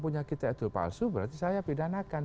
punya kita itu palsu berarti saya pidanakan